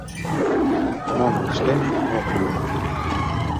Мом ыштет — ок лий...